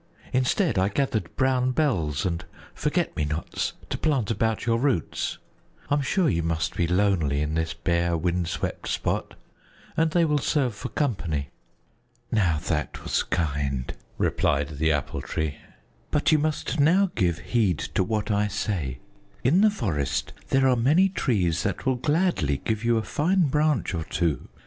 Instead I gathered brown bells and forget me nots to plant about your roots. I am sure you must be lonely in this bare wind swept spot, and they will serve for company." "Now that was kind," replied the Apple Tree, "but you must now give heed to what I say. In the forest there are many trees that will gladly give you a fine branch or two.